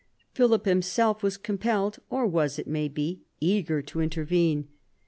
Philip himself was compelled — or was, it may be, eager — to intervene.